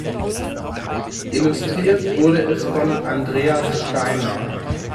Illustriert wurde es von Andreas Steiner.